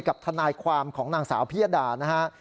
กับทนายความของนางสาวพิยดานะฮะ